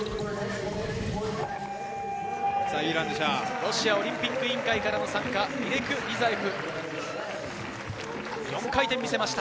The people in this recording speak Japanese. ロシアオリンピック委員会からの参加、イレク・リザエフ。